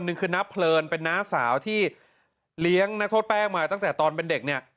หนึ่งคือน้าเพลินเป็นน้าสาวที่เลี้ยงนักโทษแป้งมาตั้งแต่ตอนเป็นเด็กเนี่ย